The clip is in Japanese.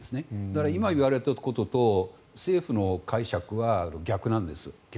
だから、今言われたことと政府の解釈は逆なんです。